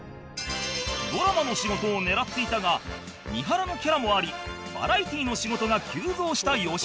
ドラマの仕事を狙っていたが三原のキャラもありバラエティの仕事が急増した良純